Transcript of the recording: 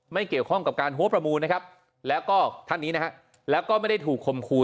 ไม่เกี่ยวข้องกับการหัวประมูลนะครับแล้วก็ท่านนี้นะฮะแล้วก็ไม่ได้ถูกคมครู